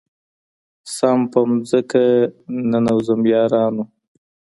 سم په مځكه ننوځم يارانـــو